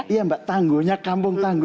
iya mbak tangguhnya kampung tangguh